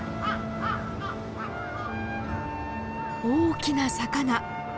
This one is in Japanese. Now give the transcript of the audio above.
大きな魚！